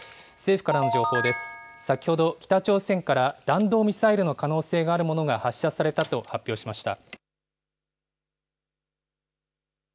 政府は先ほど、北朝鮮から弾道ミサイルの可能性があるものが発射されたと発表しました。